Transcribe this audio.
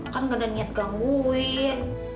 kan gak ada niat gangguin